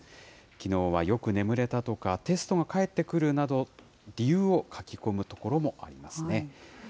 きのうはよく眠れたとか、テストが返ってくるなど、理由を書き込む所もありますね。